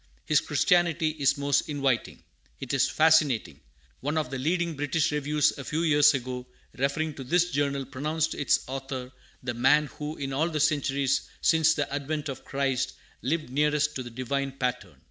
His Christianity is most inviting, it is fascinating! One of the leading British reviews a few years ago, referring to this Journal, pronounced its author the man who, in all the centuries since the advent of Christ, lived nearest to the Divine pattern.